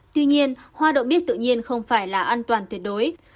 tuy nhiên hoa đậu bít tự nhiên không phải là an toàn tuyệt đối